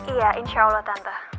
iya insya allah tante